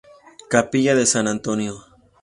Capilla de San Antonio.